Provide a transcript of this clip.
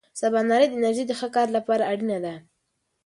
سباناري د انرژۍ د ښه کار لپاره اړینه ده.